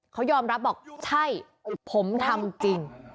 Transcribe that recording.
เขายอมรับบอกใช่ผมทำจริง